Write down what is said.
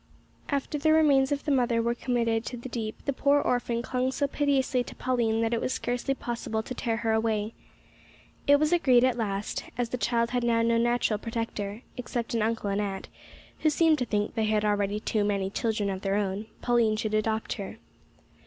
After the remains of the mother were committed to the deep, the poor orphan clung so piteously to Pauline that it was scarcely possible to tear her away. It was agreed at last that, as the child had now no natural protector, except an uncle and aunt, who seemed to think they had already too many children of their own, Pauline should adopt her.